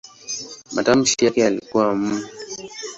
Matamshi yake yalikuwa "m".